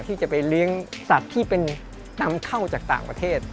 ที่จะไปเลี้ยงสัตว์ที่เป็นนำเข้าจากต่างประเทศ